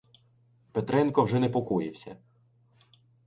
Петренко вже непокоївся.